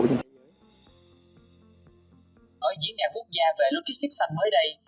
ở diễn đàn quốc gia về logistics xanh mới đây